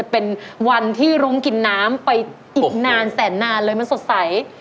ไปอีกนานแสนนานเลยมันสดใส